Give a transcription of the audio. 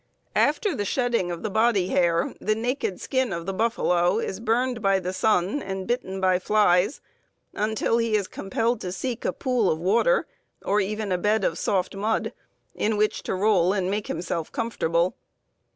After the shedding of the body hair, the naked skin of the buffalo is burned by the sun and bitten by flies until he is compelled to seek a pool of water, or even a bed of soft mud, in which to roll and make himself comfortable.